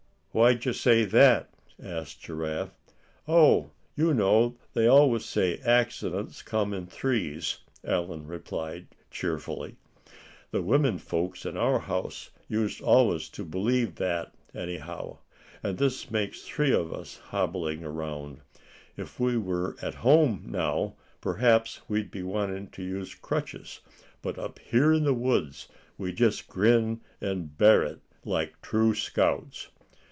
"Why d'ye say that?" asked Giraffe. "Oh! you know they always say accidents come in threes," Allan replied, cheerfully. "The women folks in our house used always to believe that, anyhow; and this makes three of us hobbling around. If we were at home now, perhaps we'd be wanting to use crutches; but up here in the woods we just grin and bear it like true scouts."